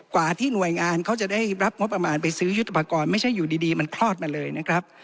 กว่าที่หน่วยงานเขาจะได้รับงบประมาณไปซื้อยุทธปกรณ์ไม่ใช่อยู่ดีมันคลอดมาเลยนะครับ